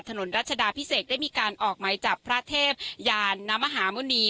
รัชดาพิเศษได้มีการออกไหมจับพระเทพยานนมหาหมุณี